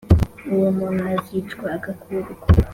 Uwo muntu azicwa agakurwa